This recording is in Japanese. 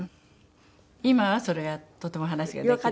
今はそれがとても話ができる。